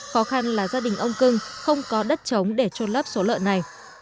khó khăn là gia đình ông cưng không có đất chống để trôn lấp số lợn này